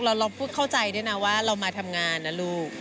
เราเข้าใจด้วยนะว่าเรามาทำงานนะลูก